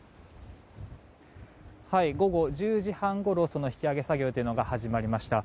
午後１０時半ごろその引き揚げ作業というのが始まりました。